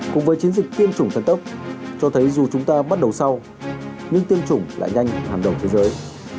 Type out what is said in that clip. cùng với chiến dịch tiêm chủng thần tốc cho thấy dù chúng ta bắt đầu sau nhưng tiêm chủng lại nhanh hàng đầu thế giới